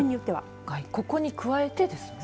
ここに加えてですよね。